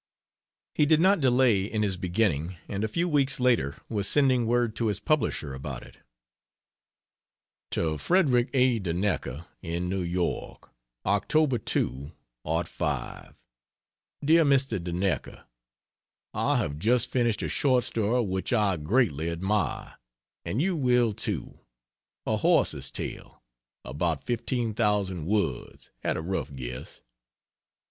He did not delay in his beginning, and a few weeks later was sending word to his publisher about it. To Frederick A. Duneka, in New York: Oct. 2, '05. DEAR MR. DUNEKA, I have just finished a short story which I "greatly admire," and so will you "A Horse's Tale" about 15,000 words, at a rough guess.